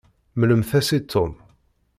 Mmlemt-as-t i Tom.